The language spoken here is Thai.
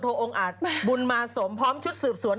องค์อาจบุญมาสมพร้อมชุดสืบสวน